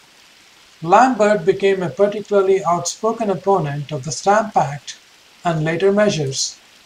Lambert became a particularly outspoken opponent of the Stamp Act and later measures.